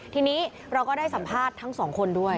ทีนี้เราก็ได้สัมภาษณ์ทั้งสองคนด้วย